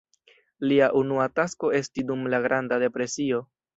Lia unua tasko esti dum la Granda Depresio.